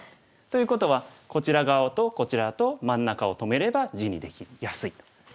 ということはこちら側とこちらと真ん中を止めれば地にできやすいと。